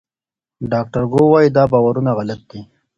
ډاکټر ګو وايي دا باورونه غلط دي.